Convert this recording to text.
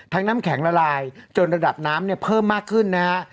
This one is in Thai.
น้ำแข็งละลายจนระดับน้ำเนี่ยเพิ่มมากขึ้นนะฮะ